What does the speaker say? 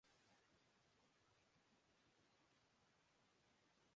برتن میں پڑے رہنے کے بعد